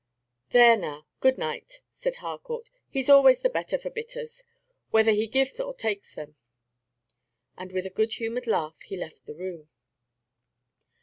"There now, good night," said Harcourt; "he's always the better for bitters, whether he gives or takes them." And with a good humored laugh he left the room.